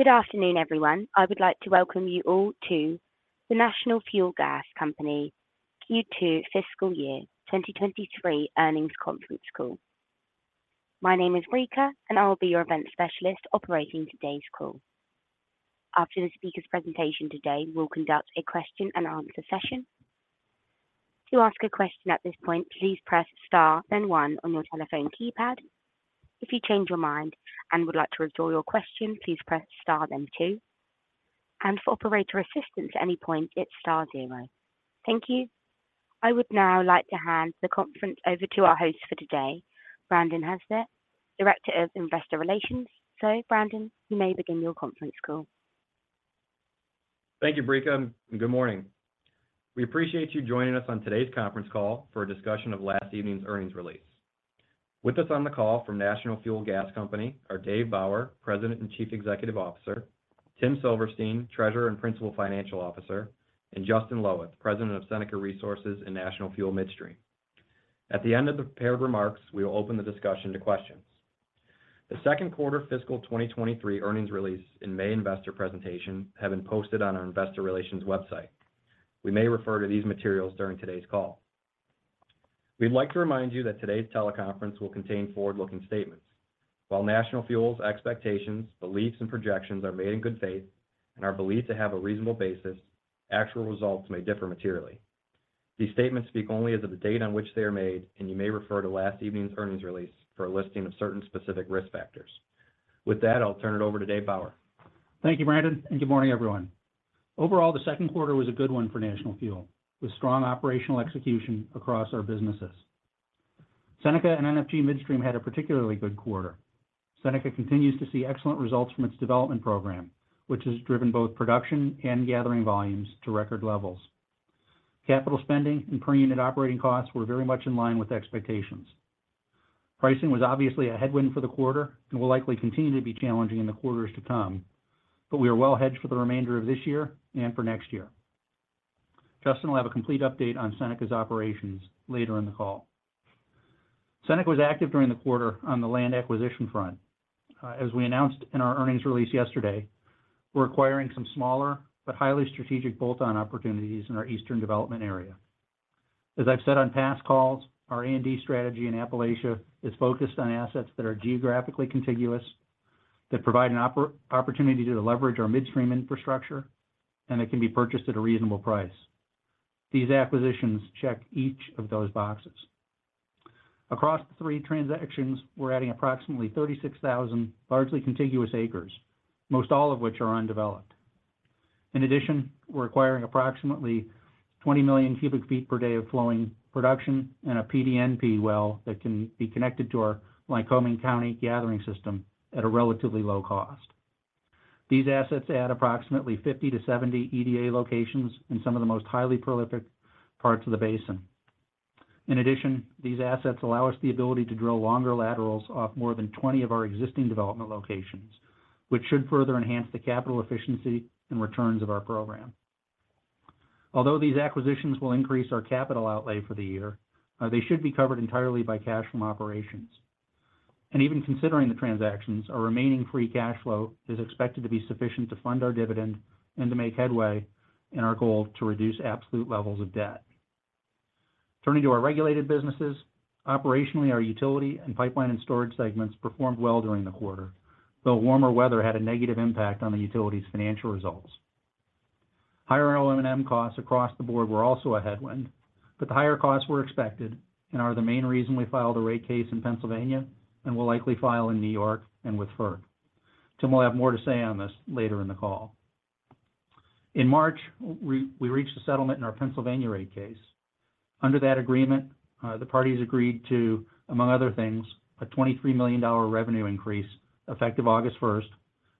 Good afternoon, everyone. I would like to welcome you all to the National Fuel Gas Company Q2 Fiscal Year 2023 earnings conference call. My name is Brika, and I will be your event specialist operating today's call. After the speaker's presentation today, we'll conduct a question and answer session. To ask a question at this point, please press Star one on your telephone keypad. If you change your mind and would like to withdraw your question, please press Star two. For operator assistance at any point, it's Star 0. Thank you. I would now like to hand the conference over to our host for today, Brandon Haspett, Director of Investor Relations. Brandon, you may begin your conference call. Thank you, Brika, and good morning. We appreciate you joining us on today's conference call for a discussion of last evening's earnings release. With us on the call from National Fuel Gas Company are David P. Bauer, President and Chief Executive Officer, Timothy J. Silverstein, Treasurer and Principal Financial Officer, and Justin I. Loweth, President of Seneca Resources and National Fuel Midstream. At the end of the prepared remarks, we will open the discussion to questions. The second quarter fiscal 2023 earnings release and May investor presentation have been posted on our investor relations website. We may refer to these materials during today's call. We'd like to remind you that today's teleconference will contain forward-looking statements. While National Fuel's expectations, beliefs, and projections are made in good faith and are believed to have a reasonable basis, actual results may differ materially. These statements speak only as of the date on which they are made, and you may refer to last evening's earnings release for a listing of certain specific risk factors. With that, I'll turn it over to Dave Bauer. Thank you, Brandon. Good morning, everyone. Overall, the second quarter was a good one for National Fuel, with strong operational execution across our businesses. Seneca and NFG Midstream had a particularly good quarter. Seneca continues to see excellent results from its development program, which has driven both production and gathering volumes to record levels. Capital spending and per unit operating costs were very much in line with expectations. Pricing was obviously a headwind for the quarter and will likely continue to be challenging in the quarters to come, but we are well hedged for the remainder of this year and for next year. Justin will have a complete update on Seneca's operations later in the call. Seneca was active during the quarter on the land acquisition front. As we announced in our earnings release yesterday, we're acquiring some smaller but highly strategic bolt-on opportunities in our Eastern development area. As I've said on past calls, our A&D strategy in Appalachia is focused on assets that are geographically contiguous, that provide an opportunity to leverage our midstream infrastructure, and that can be purchased at a reasonable price. These acquisitions check each of those boxes. Across the three transactions, we're adding approximately 36,000 largely contiguous acres, most all of which are undeveloped. In addition, we're acquiring approximately 20 million cubic feet per day of flowing production and a PDNP well that can be connected to our Lycoming County gathering system at a relatively low cost. These assets add approximately 50 to 70 EDA locations in some of the most highly prolific parts of the basin. In addition, these assets allow us the ability to drill longer laterals off more than 20 of our existing development locations, which should further enhance the capital efficiency and returns of our program. Although these acquisitions will increase our capital outlay for the year, they should be covered entirely by cash from operations. Even considering the transactions, our remaining free cash flow is expected to be sufficient to fund our dividend and to make headway in our goal to reduce absolute levels of debt. Turning to our regulated businesses, operationally, our utility and pipeline and storage segments performed well during the quarter, though warmer weather had a negative impact on the utility's financial results. Higher O&M costs across the board were also a headwind, but the higher costs were expected and are the main reason we filed a rate case in Pennsylvania and will likely file in New York and with FERC. Tim will have more to say on this later in the call. In March, we reached a settlement in our Pennsylvania rate case. Under that agreement, the parties agreed to, among other things, a $23 million revenue increase effective August 1st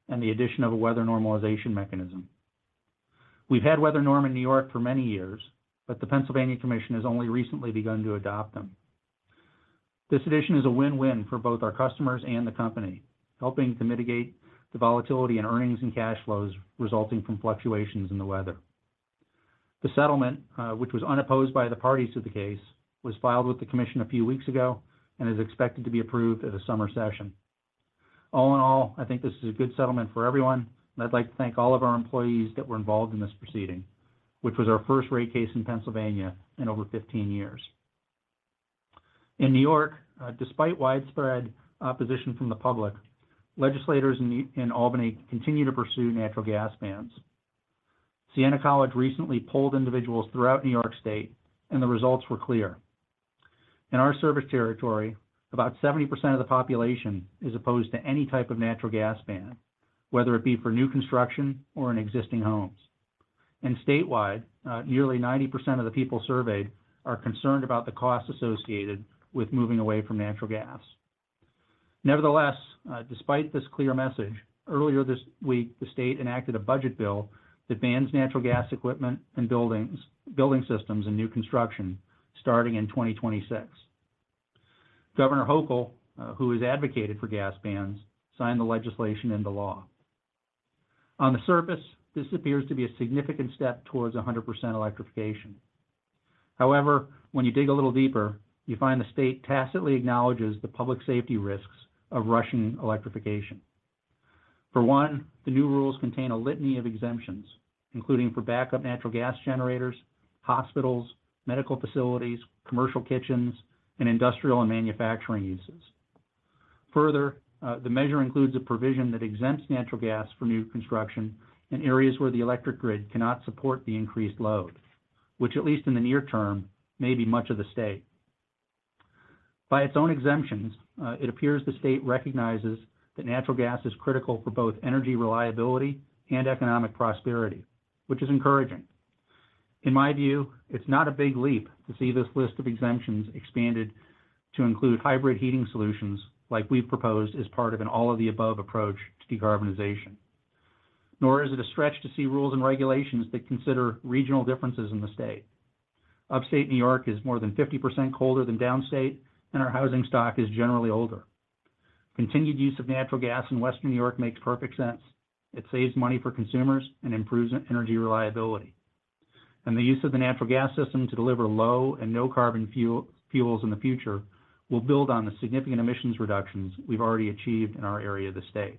and the addition of a weather normalization mechanism. We've had weather norm in New York for many years, but the Pennsylvania Commission has only recently begun to adopt them. This addition is a win-win for both our customers and the company, helping to mitigate the volatility in earnings and cash flows resulting from fluctuations in the weather. The settlement, which was unopposed by the parties to the case, was filed with the Commission a few weeks ago and is expected to be approved at a summer session. All in all, I think this is a good settlement for everyone, and I'd like to thank all of our employees that were involved in this proceeding, which was our first rate case in Pennsylvania in over 15 years. In New York, despite widespread opposition from the public, legislators in Albany continue to pursue natural gas bans. Siena College recently polled individuals throughout New York State, and the results were clear. In our service territory, about 70% of the population is opposed to any type of natural gas ban, whether it be for new construction or in existing homes. Statewide, nearly 90% of the people surveyed are concerned about the costs associated with moving away from natural gas. Nevertheless, despite this clear message, earlier this week, the state enacted a budget bill that bans natural gas equipment in building systems and new construction starting in 2026. Governor Hochul, who has advocated for gas bans, signed the legislation into law. On the surface, this appears to be a significant step towards 100% electrification. However, when you dig a little deeper, you find the state tacitly acknowledges the public safety risks of rushing electrification. For one, the new rules contain a litany of exemptions, including for backup natural gas generators, hospitals, medical facilities, commercial kitchens, and industrial and manufacturing uses. Further, the measure includes a provision that exempts natural gas from new construction in areas where the electric grid cannot support the increased load, which at least in the near term, may be much of the state. By its own exemptions, it appears the state recognizes that natural gas is critical for both energy reliability and economic prosperity, which is encouraging. In my view, it's not a big leap to see this list of exemptions expanded to include hybrid heating solutions like we've proposed as part of an all-of-the-above approach to decarbonization. Nor is it a stretch to see rules and regulations that consider regional differences in the state. Upstate New York is more than 50% colder than downstate, and our housing stock is generally older. Continued use of natural gas in Western New York makes perfect sense. It saves money for consumers and improves energy reliability. The use of the natural gas system to deliver low and no carbon fuel, fuels in the future will build on the significant emissions reductions we've already achieved in our area of the state.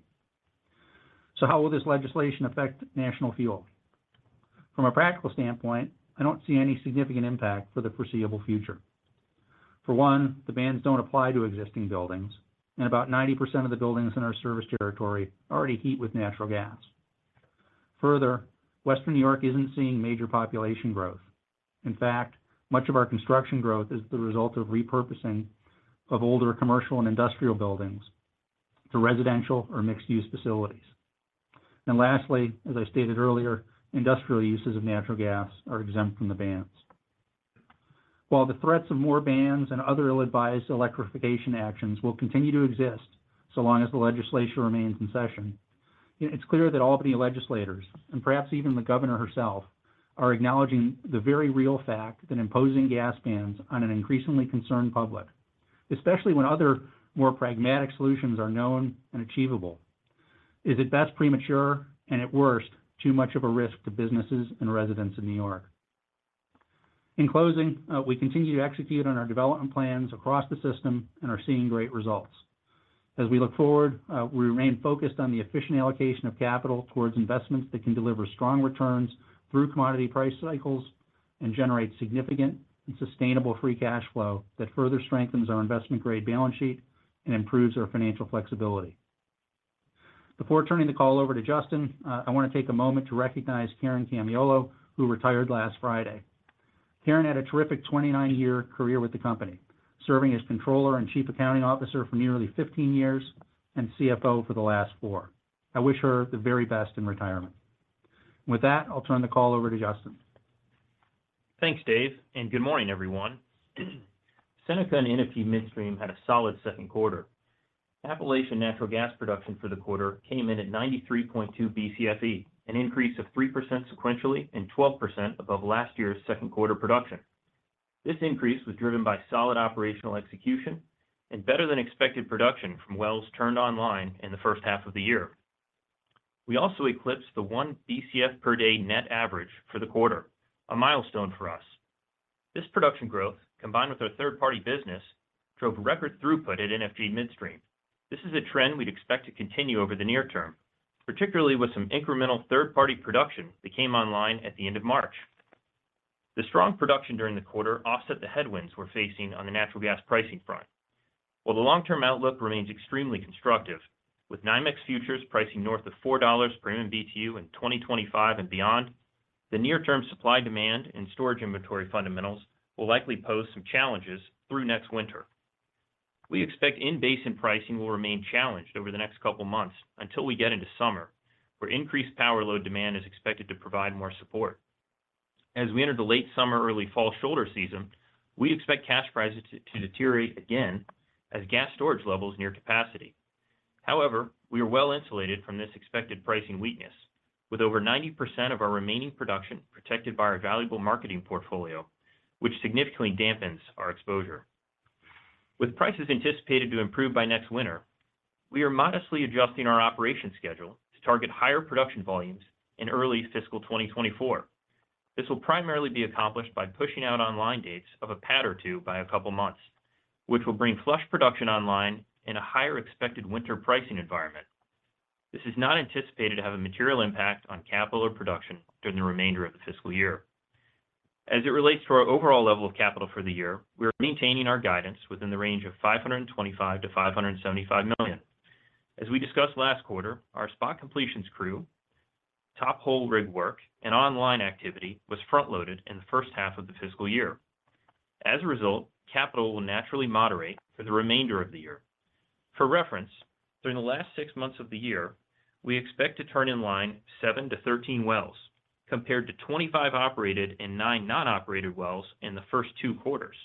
How will this legislation affect National Fuel? From a practical standpoint, I don't see any significant impact for the foreseeable future. For one, the bans don't apply to existing buildings, and about 90% of the buildings in our service territory already heat with natural gas. Further, Western New York isn't seeing major population growth. In fact, much of our construction growth is the result of repurposing of older commercial and industrial buildings to residential or mixed-use facilities. Lastly, as I stated earlier, industrial uses of natural gas are exempt from the bans. While the threats of more bans and other ill-advised electrification actions will continue to exist so long as the legislature remains in session, it's clear that Albany legislators, and perhaps even the Governor herself, are acknowledging the very real fact that imposing gas bans on an increasingly concerned public, especially when other more pragmatic solutions are known and achievable, is at best premature and at worst too much of a risk to businesses and residents of New York. In closing, we continue to execute on our development plans across the system and are seeing great results. As we look forward, we remain focused on the efficient allocation of capital towards investments that can deliver strong returns through commodity price cycles and generate significant and sustainable free cash flow that further strengthens our investment-grade balance sheet and improves our financial flexibility. Before turning the call over to Justin, I want to take a moment to recognize Karen Camiolo, who retired last Friday. Karen had a terrific 29-year career with the company, serving as Controller and Chief Accounting Officer for nearly 15 years and CFO for the last four. I wish her the very best in retirement. With that, I'll turn the call over to Justin. Thanks, Dave. Good morning, everyone. Seneca and NFG Midstream had a solid second quarter. Appalachian Natural Gas production for the quarter came in at 93.2 BCFE, an increase of 3% sequentially and 12% above last year's second quarter production. This increase was driven by solid operational execution and better than expected production from wells turned online in the first half of the year. We also eclipsed the one BCF per day net average for the quarter, a milestone for us. This production growth, combined with our third-party business, drove record throughput at NFG Midstream. This is a trend we'd expect to continue over the near term, particularly with some incremental third-party production that came online at the end of March. The strong production during the quarter offset the headwinds we're facing on the natural gas pricing front. While the long-term outlook remains extremely constructive, with NYMEX Futures pricing north of $4 per MMBTU in 2025 and beyond, the near-term supply-demand and storage inventory fundamentals will likely pose some challenges through next winter. We expect in-basin pricing will remain challenged over the next couple of months until we get into summer, where increased power load demand is expected to provide more support. As we enter the late summer, early fall shoulder season, we expect cash prices to deteriorate again as gas storage levels near capacity. However, we are well insulated from this expected pricing weakness, with over 90% of our remaining production protected by our valuable marketing portfolio, which significantly dampens our exposure. With prices anticipated to improve by next winter, we are modestly adjusting our operation schedule to target higher production volumes in early fiscal 2024. This will primarily be accomplished by pushing out online dates of a pad or two by a couple of months, which will bring flush production online in a higher expected winter pricing environment. This is not anticipated to have a material impact on capital or production during the remainder of the fiscal year. As it relates to our overall level of capital for the year, we are maintaining our guidance within the range of $525 million-$575 million. As we discussed last quarter, our spot completions crew, top hole rig work, and online activity was front-loaded in the first half of the fiscal year. As a result, capital will naturally moderate for the remainder of the year. For reference, during the last six months of the year, we expect to turn in line seven-13 wells compared to 25 operated and nine non-operated wells in the first two quarters.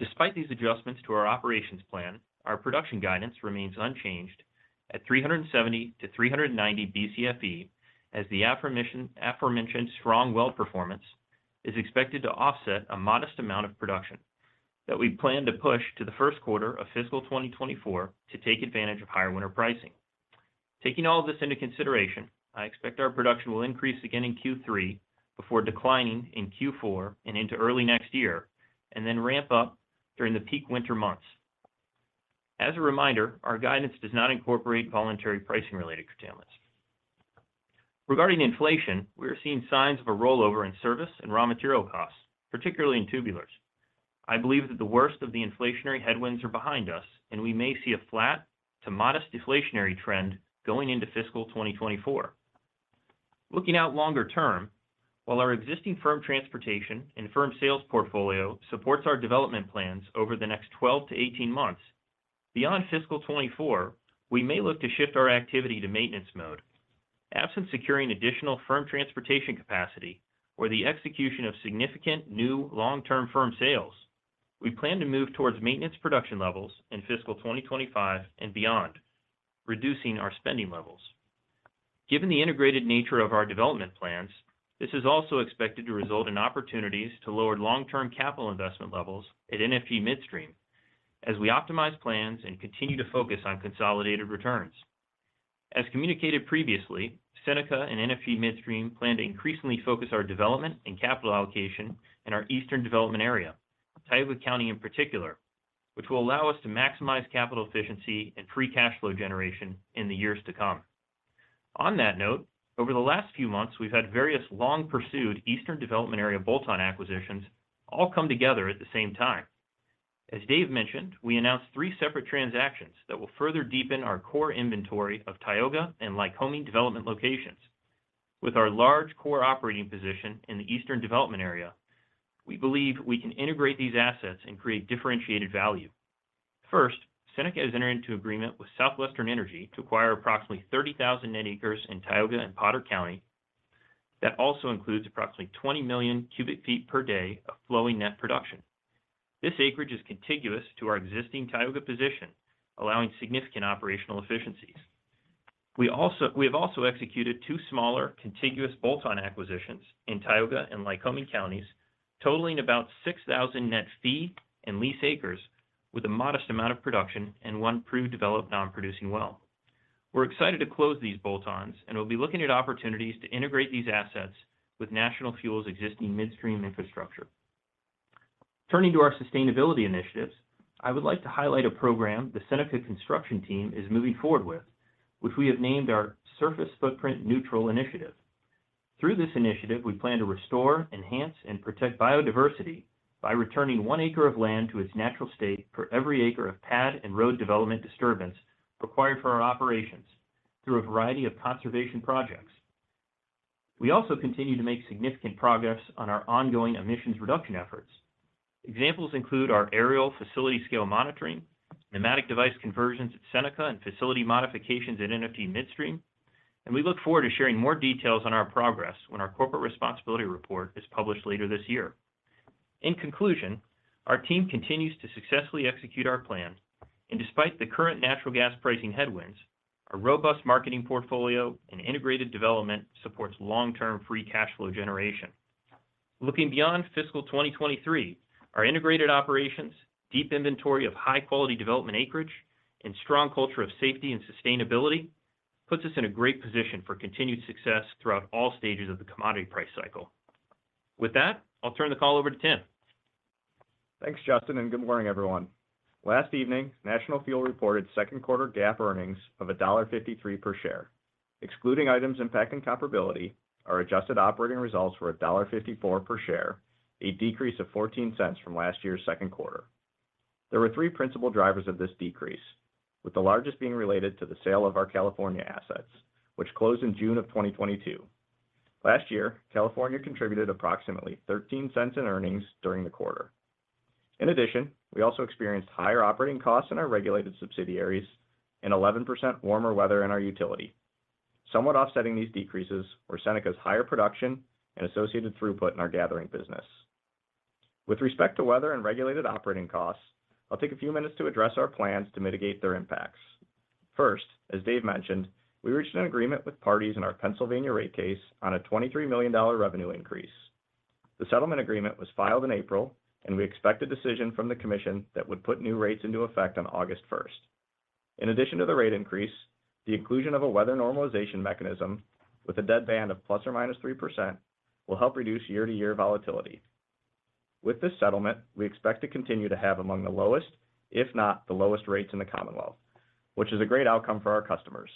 Despite these adjustments to our operations plan, our production guidance remains unchanged at 370-390 BCFE as the aforementioned strong well performance is expected to offset a modest amount of production that we plan to push to the Q1 of fiscal 2024 to take advantage of higher winter pricing. Taking all of this into consideration, I expect our production will increase again in Q3 before declining in Q4 and into early next year, and then ramp up during the peak winter months. As a reminder, our guidance does not incorporate voluntary pricing related curtailments. Regarding inflation, we are seeing signs of a rollover in service and raw material costs, particularly in tubulars. I believe that the worst of the inflationary headwinds are behind us, and we may see a flat to modest deflationary trend going into fiscal 2024. Looking out longer term, while our existing firm transportation and firm sales portfolio supports our development plans over the next 12 to 18 months, beyond fiscal 2024, we may look to shift our activity to maintenance mode. Absent securing additional firm transportation capacity or the execution of significant new long-term firm sales, we plan to move towards maintenance production levels in fiscal 2025 and beyond, reducing our spending levels. Given the integrated nature of our development plans, this is also expected to result in opportunities to lower long-term capital investment levels at NFG Midstream as we optimize plans and continue to focus on consolidated returns. As communicated previously, Seneca and NFG Midstream plan to increasingly focus our development and capital allocation in our Eastern Development Area, Tioga County in particular, which will allow us to maximize capital efficiency and free cash flow generation in the years to come. On that note, over the last few months, we've had various long pursued Eastern Development Area bolt-on acquisitions all come together at the same time. As Dave mentioned, we announced three separate transactions that will further deepen our core inventory of Tioga and Lycoming development locations. With our large core operating position in the Eastern Development Area, we believe we can integrate these assets and create differentiated value. First, Seneca has entered into agreement with Southwestern Energy to acquire approximately 30,000 net acres in Tioga and Potter County. That also includes approximately 20 million cubic feet per day of flowing net production. This acreage is contiguous to our existing Tioga position, allowing significant operational efficiencies. We have also executed two smaller contiguous bolt-on acquisitions in Tioga and Lycoming counties, totaling about 6,000 net fee and lease acres with a modest amount of production and one proved developed non-producing well. We're excited to close these bolt-ons, and we'll be looking at opportunities to integrate these assets with National Fuel's existing midstream infrastructure. Turning to our sustainability initiatives, I would like to highlight a program the Seneca construction team is moving forward with, which we have named our Surface Footprint Neutral Initiative. Through this initiative, we plan to restore, enhance, and protect biodiversity by returning one acre of land to its natural state for every acre of pad and road development disturbance required for our operations through a variety of conservation projects. We also continue to make significant progress on our ongoing emissions reduction efforts. Examples include our aerial facility scale monitoring, pneumatic device conversions at Seneca, and facility modifications at NFG Midstream. We look forward to sharing more details on our progress when our corporate responsibility report is published later this year. In conclusion, our team continues to successfully execute our plan. Despite the current natural gas pricing headwinds, our robust marketing portfolio and integrated development supports long-term free cash flow generation. Looking beyond fiscal 2023, our integrated operations, deep inventory of high-quality development acreage, and strong culture of safety and sustainability puts us in a great position for continued success throughout all stages of the commodity price cycle. With that, I'll turn the call over to Tim. Thanks, Justin. Good morning, everyone. Last evening, National Fuel reported second quarter GAAP earnings of $1.53 per share. Excluding items impacting comparability, our adjusted operating results were $1.54 per share, a decrease of $0.14 from last year's second quarter. There were three principal drivers of this decrease, with the largest being related to the sale of our California assets, which closed in June of 2022. Last year, California contributed approximately $0.13 in earnings during the quarter. We also experienced higher operating costs in our regulated subsidiaries and 11% warmer weather in our utility. Somewhat offsetting these decreases were Seneca's higher production and associated throughput in our gathering business. With respect to weather and regulated operating costs, I'll take a few minutes to address our plans to mitigate their impacts. First, as Dave mentioned, we reached an agreement with parties in our Pennsylvania rate case on a $23 million revenue increase. The settlement agreement was filed in April, and we expect a decision from the commission that would put new rates into effect on August 1st. In addition to the rate increase, the inclusion of a weather normalization mechanism with a deadband of ±3% will help reduce year-to-year volatility. With this settlement, we expect to continue to have among the lowest, if not the lowest rates in the Commonwealth, which is a great outcome for our customers.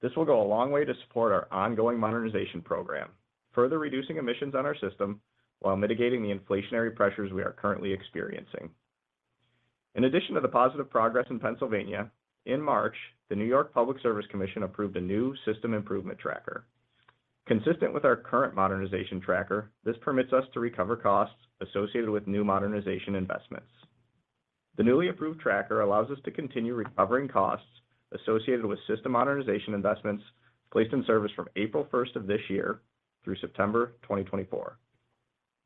This will go a long way to support our ongoing modernization program, further reducing emissions on our system while mitigating the inflationary pressures we are currently experiencing. In addition to the positive progress in Pennsylvania, in March, the New York State Public Service Commission approved a new system improvement tracker. Consistent with our current modernization tracker, this permits us to recover costs associated with new modernization investments. The newly approved tracker allows us to continue recovering costs associated with system modernization investments placed in service from April 1st of this year through September 2024.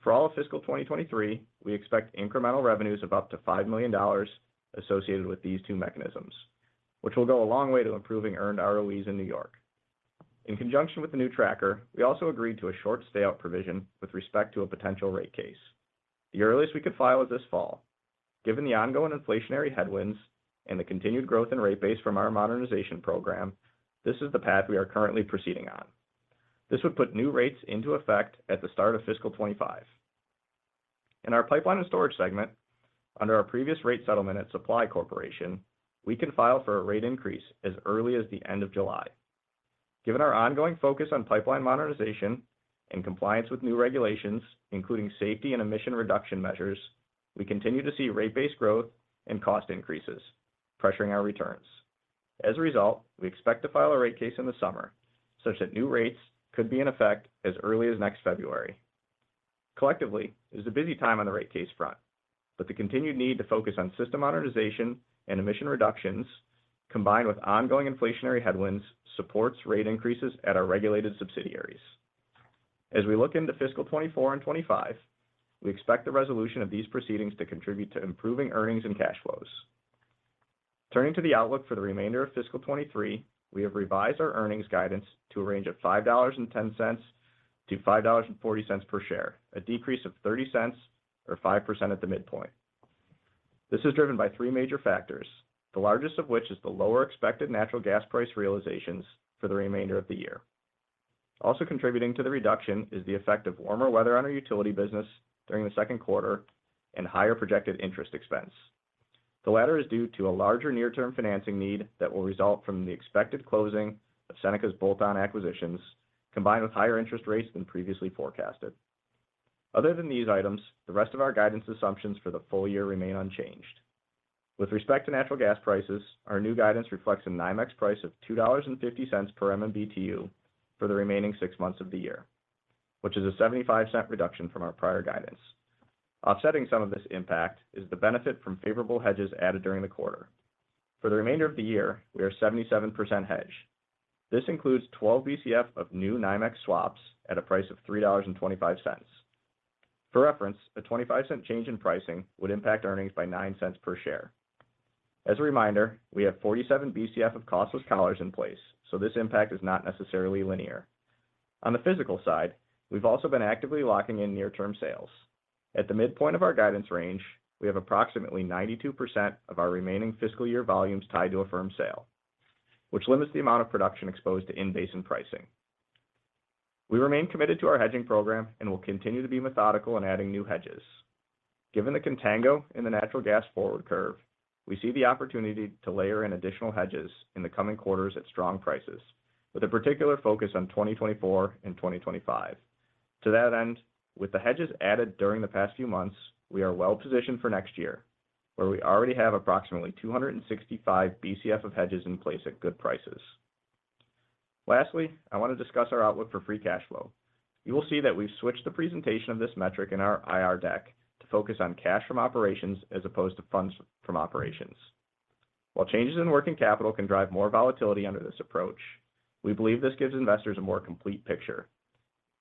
For all of fiscal 2023, we expect incremental revenues of up to $5 million associated with these two mechanisms, which will go a long way to improving earned ROE in New York. In conjunction with the new tracker, we also agreed to a short stay-out provision with respect to a potential rate case. The earliest we could file is this fall. Given the ongoing inflationary headwinds and the continued growth in rate base from our modernization program, this is the path we are currently proceeding on. This would put new rates into effect at the start of fiscal 25. In our pipeline and storage segment, under our previous rate settlement at Supply Corporation, we can file for a rate increase as early as the end of July. Given our ongoing focus on pipeline modernization and compliance with new regulations, including safety and emission reduction measures, we continue to see rate-based growth and cost increases, pressuring our returns. As a result, we expect to file a rate case in the summer such that new rates could be in effect as early as next February. Collectively, it is a busy time on the rate case front, but the continued need to focus on system modernization and emission reductions combined with ongoing inflationary headwinds supports rate increases at our regulated subsidiaries. As we look into fiscal 2024 and 2025, we expect the resolution of these proceedings to contribute to improving earnings and cash flows. Turning to the outlook for the remainder of fiscal 2023, we have revised our earnings guidance to a range of $5.10-$5.40 per share, a decrease of $0.30 or 5% at the midpoint. This is driven by three major factors, the largest of which is the lower expected natural gas price realizations for the remainder of the year. Also contributing to the reduction is the effect of warmer weather on our utility business during the second quarter and higher projected interest expense. The latter is due to a larger near-term financing need that will result from the expected closing of Seneca's bolt-on acquisitions, combined with higher interest rates than previously forecasted. Other than these items, the rest of our guidance assumptions for the full year remain unchanged. With respect to natural gas prices, our new guidance reflects a NYMEX price of $2.50 per MMBTU for the remaining six months of the year, which is a $0.75 reduction from our prior guidance. Offsetting some of this impact is the benefit from favorable hedges added during the quarter. For the remainder of the year, we are 77% hedged. This includes 12 BCF of new NYMEX swaps at a price of $3.25. For reference, a $0.25 change in pricing would impact earnings by $0.09 per share. As a reminder, we have 47 BCF of costless collars in place, so this impact is not necessarily linear. On the physical side, we've also been actively locking in near-term sales. At the midpoint of our guidance range, we have approximately 92% of our remaining fiscal year volumes tied to a firm sale, which limits the amount of production exposed to in-basin pricing. We remain committed to our hedging program and will continue to be methodical in adding new hedges. Given the contango in the natural gas forward curve, we see the opportunity to layer in additional hedges in the coming quarters at strong prices, with a particular focus on 2024 and 2025. To that end, with the hedges added during the past few months, we are well positioned for next year, where we already have approximately 265 BCF of hedges in place at good prices. I want to discuss our outlook for free cash flow. You will see that we've switched the presentation of this metric in our IR deck to focus on cash from operations as opposed to funds from operations. Changes in working capital can drive more volatility under this approach, we believe this gives investors a more complete picture.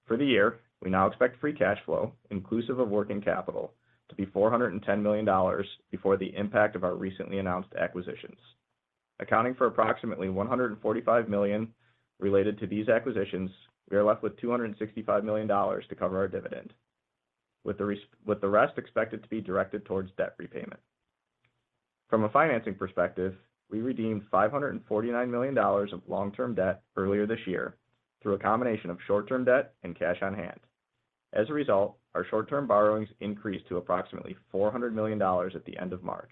For the year, we now expect free cash flow, inclusive of working capital, to be $410 million before the impact of our recently announced acquisitions. Accounting for approximately $145 million related to these acquisitions, we are left with $265 million to cover our dividend, with the rest expected to be directed towards debt repayment. From a financing perspective, we redeemed $549 million of long-term debt earlier this year through a combination of short-term debt and cash on hand. As a result, our short-term borrowings increased to approximately $400 million at the end of March.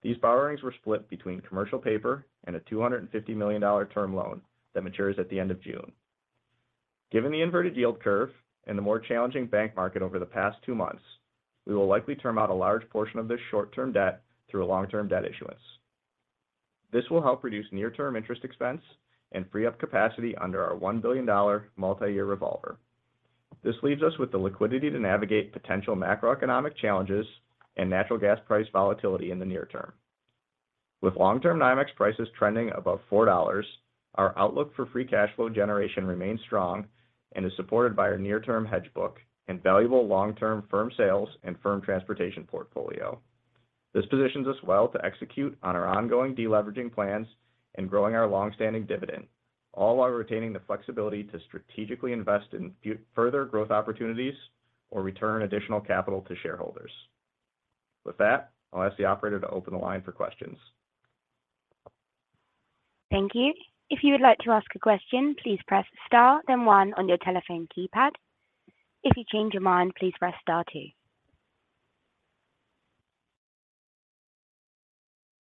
These borrowings were split between commercial paper and a $250 million term loan that matures at the end of June. Given the inverted yield curve and the more challenging bank market over the past two months, we will likely term out a large portion of this short-term debt through a long-term debt issuance. This will help reduce near-term interest expense and free up capacity under our $1 billion multi-year revolver. This leaves us with the liquidity to navigate potential macroeconomic challenges and natural gas price volatility in the near term. With long-term NYMEX prices trending above $4, our outlook for free cash flow generation remains strong and is supported by our near-term hedge book and valuable long-term firm sales and firm transportation portfolio. This positions us well to execute on our ongoing deleveraging plans and growing our long-standing dividend, all while retaining the flexibility to strategically invest in further growth opportunities or return additional capital to shareholders. With that, I'll ask the operator to open the line for questions. Thank you. If you would like to ask a question, please press star then one on your telephone keypad. If you change your mind, please press star two.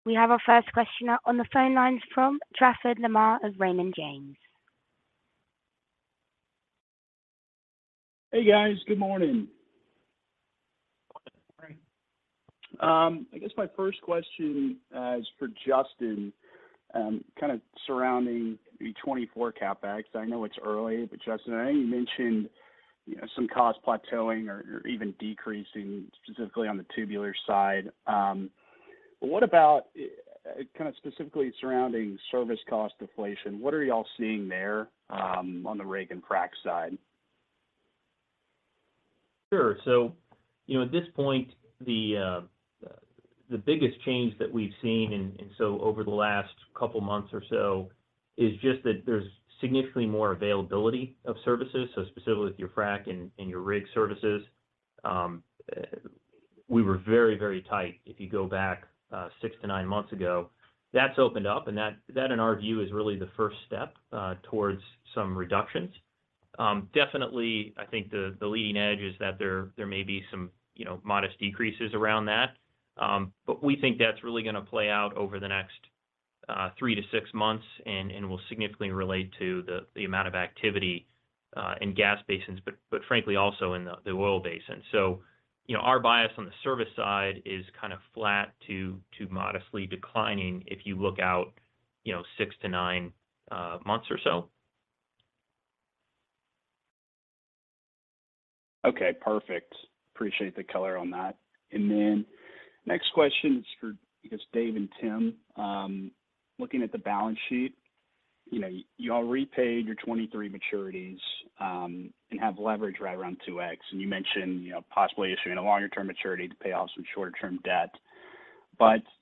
We have our first question on the phone lines from Trafford Lamar of Raymond James. Hey, guys. Good morning. Good morning. I guess my first question is for Justin, kind of surrounding the 2024 CapEx. I know it's early, but Justin, I know you mentioned, you know, some costs plateauing or even decreasing specifically on the tubular side. What about kind of specifically surrounding service cost deflation? What are y'all seeing there, on the rig and frac side? Sure. You know, at this point, the biggest change that we've seen and so over the last couple of months or so is just that there's significantly more availability of services. Specifically with your frac and your rig services, we were very, very tight if you go back six to nine months ago. That's opened up, and that in our view is really the first step towards some reductions. Definitely, I think the leading edge is that there may be some, you know, modest decreases around that. But we think that's really gonna play out over the next three to six months and will significantly relate to the amount of activity in gas basins, but frankly also in the oil basin. you know, our bias on the service side is kind of flat to modestly declining if you look out, you know, six-nine months or so. Okay, perfect. Appreciate the color on that. Next question is for, I guess, Dave and Tim. Looking at the balance sheet, you know, you all repaid your 2023 maturities, and have leverage right around 2x.You mentioned, you know, possibly issuing a longer-term maturity to pay off some shorter-term debt.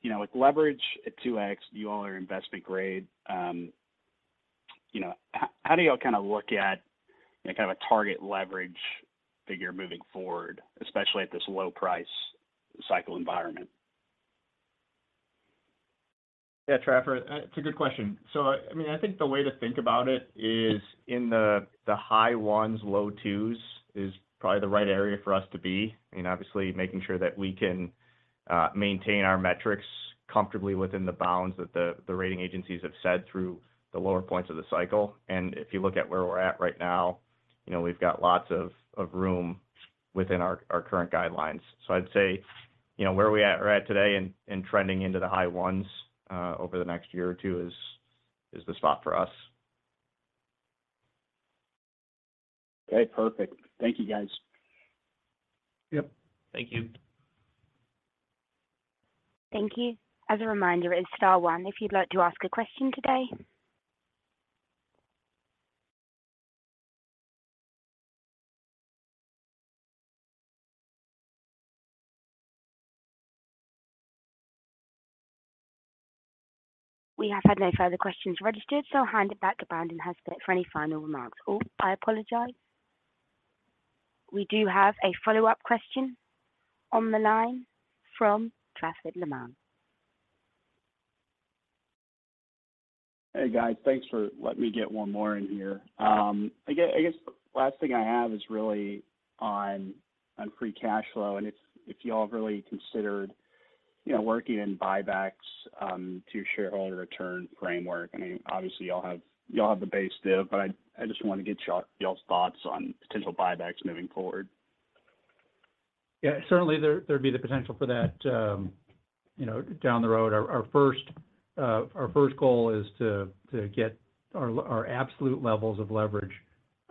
You know, with leverage at 2x, you all are investment grade. You know, how do you all kinda look at kinda a target leverage figure moving forward, especially at this low price cycle environment? Yeah, Trafford, it's a good question. I mean, I think the way to think about it is in the high ones, low twos is probably the right area for us to be. I mean, obviously, making sure that we can maintain our metrics comfortably within the bounds that the rating agencies have said through the lower points of the cycle. If you look at where we're at right now, you know, we've got lots of room within our current guidelines. I'd say, you know, we're at today and trending into the high ones over the next year or two is the spot for us. Okay, perfect. Thank you, guys. Yep. Thank you. Thank you. As a reminder, it is star one if you'd like to ask a question today. We have had no further questions registered, I'll hand it back to Brandon Haspett for any final remarks. Oh, I apologize. We do have a follow-up question on the line from Trafford Lamar. Hey, guys. Thanks for letting me get one more in here. I guess the last thing I have is really on free cash flow, and if you all have really considered, you know, working in buybacks, to shareholder return framework. I mean, obviously, y'all have the base div, but I just wanna get y'all's thoughts on potential buybacks moving forward. Yeah, certainly there'd be the potential for that, you know, down the road. Our first goal is to get our absolute levels of leverage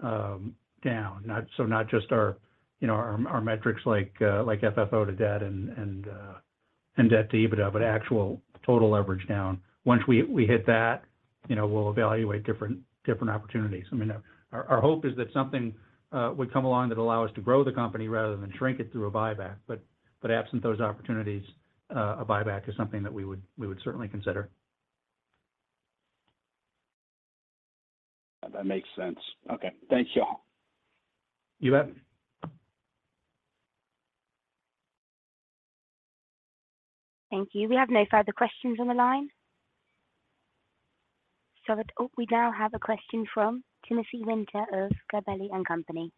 down. Not just our, you know, our metrics like FFO to debt and debt to EBITDA, but actual total leverage down. Once we hit that, you know, we'll evaluate different opportunities. I mean, our hope is that something would come along that allow us to grow the company rather than shrink it through a buyback. Absent those opportunities, a buyback is something that we would certainly consider. That makes sense. Okay. Thank you all. You bet. Thank you. We have no further questions on the line. Oh, we now have a question from Timothy Winter of Gabelli and Company.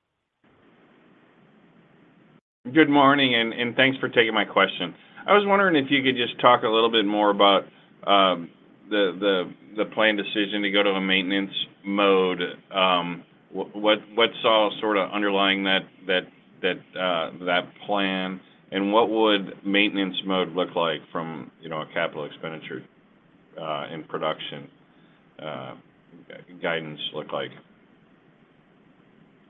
Good morning, and thanks for taking my question. I was wondering if you could just talk a little bit more about the planned decision to go to a maintenance mode. What saw sort of underlying that plan? What would maintenance mode look like from, you know, a capital expenditure in production, guidance look like?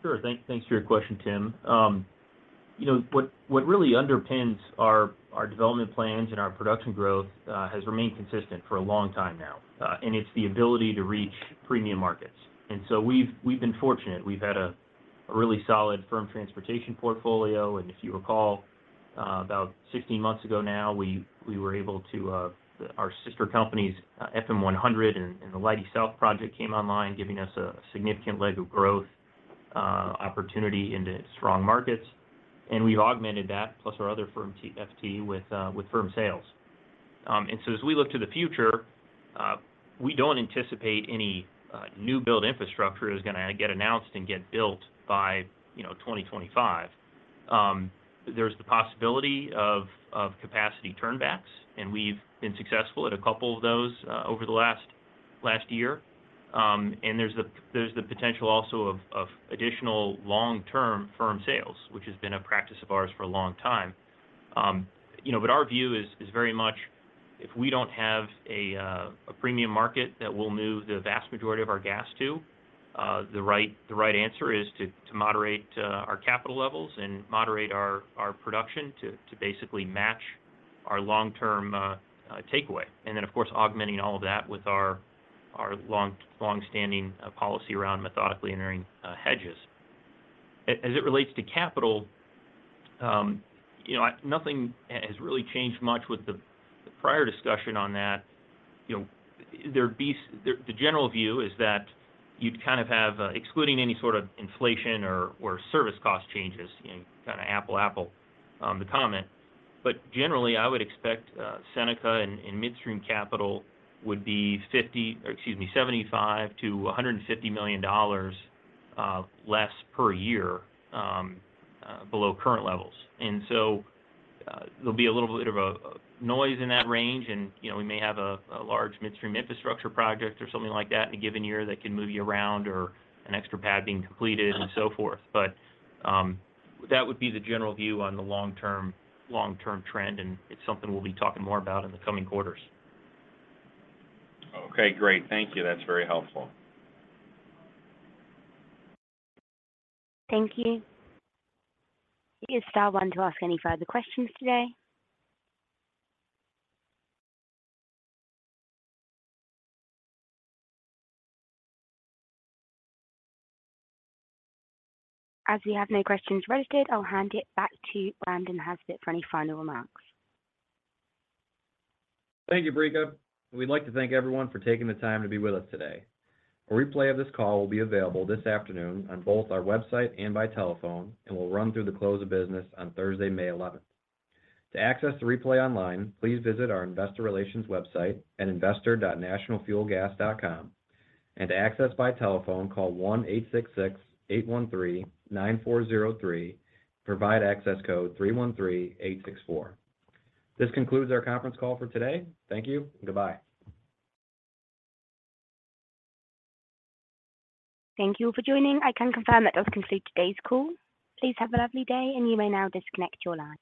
Sure. Thanks for your question, Tim.You know, what really underpins our development plans and our production growth has remained consistent for a long time now, and it's the ability to reach premium markets. We've been fortunate. We've had a really solid firm transportation portfolio. If you recall, about 16 months ago now, we were able to, our sister companies, FM100 and the Leidy South project came online, giving us a significant leg of growth opportunity into strong markets. We've augmented that plus our other firm FT with firm sales. As we look to the future, we don't anticipate any new build infrastructure is gonna get announced and get built by, you know, 2025. There's the possibility of capacity turnbacks, and we've been successful at a couple of those over the last year. There's the potential also of additional long-term firm sales, which has been a practice of ours for a long time. You know, our view is very much if we don't have a premium market that we'll move the vast majority of our gas to, the right answer is to moderate our capital levels and moderate our production to basically match our long-term takeaway. Then of course, augmenting all of that with our long-standing policy around methodically entering hedges. As it relates to capital, you know, nothing has really changed much with the prior discussion on that. You know, the general view is that you'd kind of have, excluding any sort of inflation or service cost changes, you know, kind of apple, the comment. Generally, I would expect Seneca in midstream capital would be $75 million-$150 million less per year below current levels. There'll be a little bit of a noise in that range and, you know, we may have a large midstream infrastructure project or something like that in a given year that can move you around or an extra pad being completed and so forth. That would be the general view on the long-term, long-term trend, and it's something we'll be talking more about in the coming quarters. Okay, great. Thank you. That's very helpful. Thank you. Please star one to ask any further questions today. We have no questions rotated, I'll hand it back to Brandon Haspett for any final remarks. Thank you, Brika. We'd like to thank everyone for taking the time to be with us today. A replay of this call will be available this afternoon on both our website and by telephone, and will run through the close of business on Thursday, May eleventh. To access the replay online, please visit our investor relations website at investor.nationalfuelgas.com. To access by telephone, call 1-866-813-9403, provide access code 313864. This concludes our conference call for today. Thank you. Goodbye. Thank you for joining. I can confirm that does conclude today's call. Please have a lovely day. You may now disconnect your line.